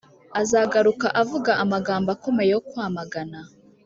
Azagaruka avuga amagambo akomeye yo kwamagana